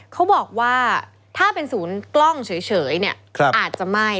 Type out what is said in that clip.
เขาบอกว่าถ้าเป็นศูนย์กล้องเฉยเนี่ยอาจจะไหม้